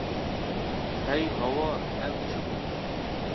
Hey hawar ev çi bû!